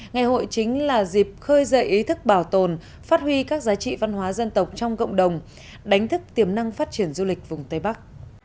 ngày hội chính là dịp khơi dậy ý thức bảo tồn phát huy các giá trị văn hóa dân tộc trong cộng đồng đánh thức tiềm năng phát triển du lịch vùng tây bắc